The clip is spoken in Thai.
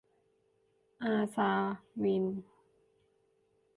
อาชา-วิน !